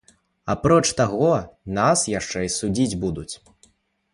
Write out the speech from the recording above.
Апроч таго нас яшчэ і судзіць будуць.